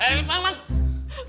eh bang malik